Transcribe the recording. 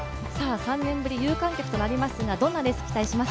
３年ぶり有観客となりますが、どんなレース期待しますか？